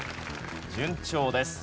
順調です。